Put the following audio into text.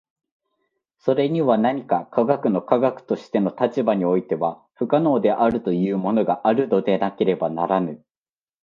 それには何か科学の科学としての立場においては不可能であるというものがあるのでなければならぬ。